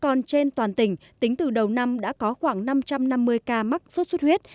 còn trên toàn tỉnh tính từ đầu năm đã có khoảng năm trăm năm mươi ca mắc sốt xuất huyết